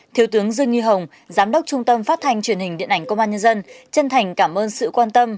thiếu tướng dư nhi hồng giám đốc trung tâm phát thanh truyền hình điện ảnh công an nhân dân chân thành cảm ơn sự quan tâm